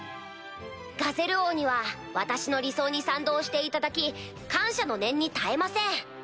ガゼル王には私の理想に賛同していただき感謝の念に堪えません。